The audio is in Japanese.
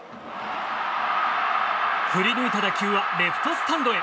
振り抜いた打球はレフトスタンドへ。